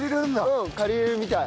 うん借りられるみたい。